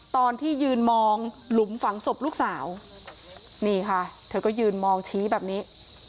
ตอนที่ยืนมองหลุมฝังศพลูกสาวนี่ค่ะเธอก็ยืนมองชี้แบบนี้